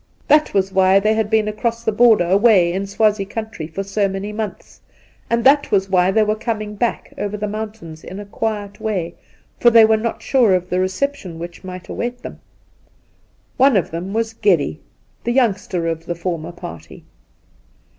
That was why they had been across the border away in Swazie country for so many months, and that was why they were coming back over the mountains and in a quiet way, for they were not sure of the reception which might await them. One of them was Geddy, the youngster of the former party.